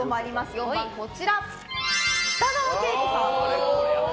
４番は北川景子さん。